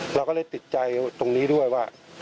เราก็เลยติดใจตรงนี้ด้วยว่า